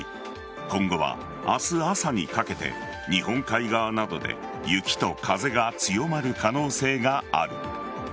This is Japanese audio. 今後は明日朝にかけて日本海側などで雪と風が強まる可能性がある。